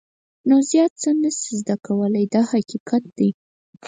نو زیات څه نه شې زده کولای دا حقیقت دی.